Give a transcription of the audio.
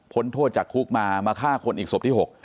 โทษจากคุกมามาฆ่าคนอีกศพที่๖